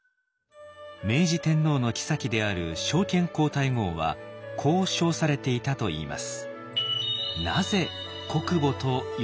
明治天皇の后である昭憲皇太后はこう称されていたといいます。